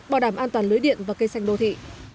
bảo đảm an toàn lưới điện và cây xanh đô thị